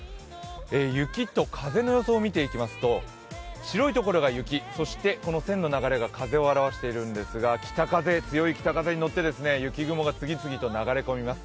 雪と風の予想を見ていきますと白いところが雪、そして線の流れが風を表してるんですが北風強い北風に乗って雪雲が次々と流れ込みます。